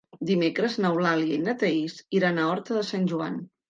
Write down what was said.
Dimecres n'Eulàlia i na Thaís iran a Horta de Sant Joan.